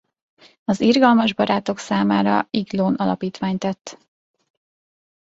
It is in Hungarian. Az irgalmas barátok számára Iglón alapítványt tett.